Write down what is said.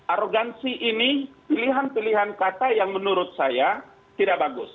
arogansi ini pilihan pilihan kata yang menurut saya tidak bagus